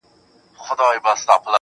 o يمه دي غلام سترگي راواړوه.